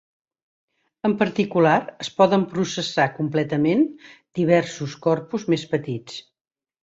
En particular, es poden processar completament diversos corpus més petits.